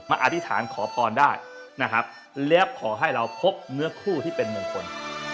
อธิษฐานขอพรได้นะครับแล้วขอให้เราพบเนื้อคู่ที่เป็นมงคล